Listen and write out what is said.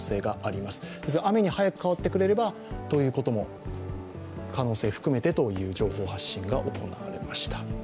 ですが雨に早く変わってくれればという可能性も含めて情報発信が行われました。